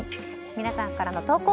皆さんからの投稿